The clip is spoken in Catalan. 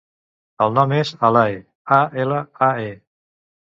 El nom és Alae: a, ela, a, e.